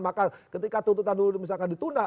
maka ketika tuntutan dulu misalkan ditunda